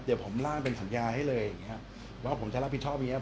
เดี๋ยวผมล่างเป็นสัญญาให้เลยอย่างเงี้ยว่าผมจะรับผิดชอบอย่างเงี้